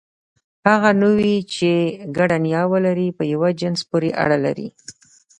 هغه نوعې، چې ګډه نیا ولري، په یوه جنس پورې اړه لري.